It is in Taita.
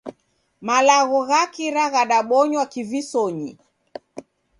Malagho gha kira ghadabonywa kivisonyi.